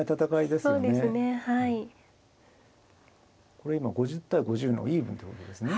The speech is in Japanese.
これ今５０対５０のイーブンってことですね。